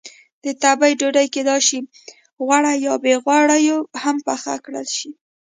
د تبۍ ډوډۍ کېدای شي غوړه یا بې غوړیو هم پخه کړل شي.